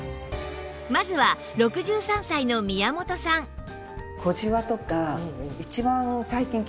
まずは６３歳の宮本さんでもね。